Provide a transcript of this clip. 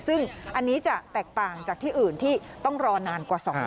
ซึ่งอันนี้จะแตกต่างจากที่อื่นที่ต้องรอนานกว่า๒วัน